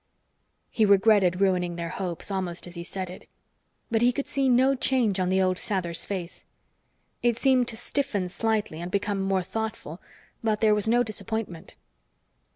He regretted ruining their hopes, almost as he said it. But he could see no change on the old Sather's face. It seemed to stiffen slightly and become more thoughtful, but there was no disappointment.